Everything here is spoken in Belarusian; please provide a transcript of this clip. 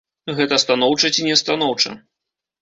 Гэта станоўча ці не станоўча?